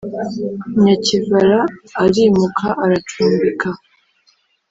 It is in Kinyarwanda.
Nyakivara arimuka aracumbika